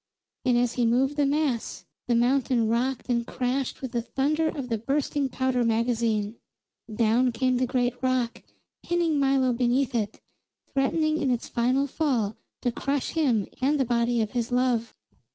And as he moved the mass, the mountain rocked and crashed with the thunder of the bursting powder magazine. Down came the great rock, pinning Milo beneath it, threatening in its final fall to crush him and the body of his love.